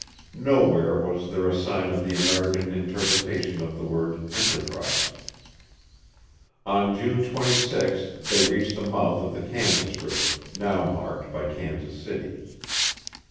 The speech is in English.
Nowhere was there a sign of the American interpretation of the word "enterprise." On June 26th they reached the mouth of the Kansas River, now marked by Kansas City.